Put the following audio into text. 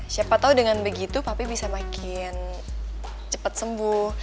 siapa tahu dengan begitu papi bisa makin cepat sembuh